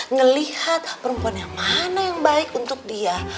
ngelihat perempuan yang mana yang baik untuk dia